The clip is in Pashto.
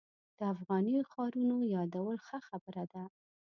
د افغاني ښارونو یادول ښه خبره ده.